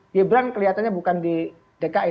gibran kelihatannya bukan di dki